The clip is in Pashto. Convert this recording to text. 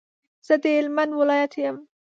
زه د هلمند ولایت یم.